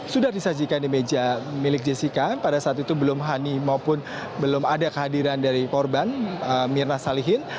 sudah disajikan di meja milik jessica pada saat itu belum honey maupun belum ada kehadiran dari korban mirna salihin